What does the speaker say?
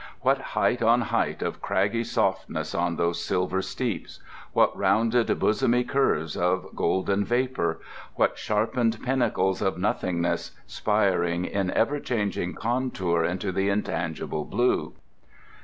What height on height of craggy softness on those silver steeps! What rounded bosomy curves of golden vapour; what sharpened pinnacles of nothingness, spiring in ever changing contour into the intangible blue!